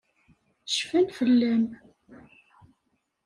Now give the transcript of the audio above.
Cfan fell-am.